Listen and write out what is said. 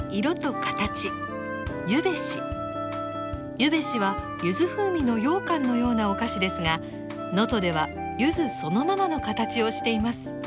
「ゆべし」は柚子風味のようかんのようなお菓子ですが能登では柚子そのままのカタチをしています。